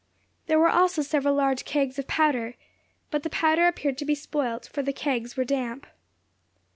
There were also several large kegs of powder, but the powder appeared to be spoilt, for the kegs were damp.